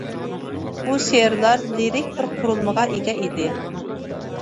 بۇ شېئىرلار لىرىك بىر قۇرۇلمىغا ئىگە ئىدى.